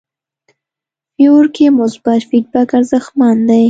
فیور کې مثبت فیډبک ارزښتمن دی.